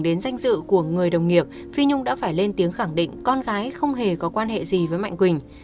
đến danh dự của người đồng nghiệp phi nhung đã phải lên tiếng khẳng định con gái không hề có quan hệ gì với mạnh quỳnh